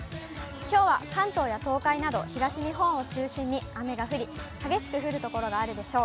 きょうは関東や東海など、東日本を中心に雨が降り、激しく降る所があるでしょう。